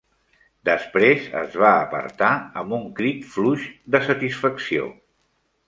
Després, es va apartar amb un crit fluix de satisfacció.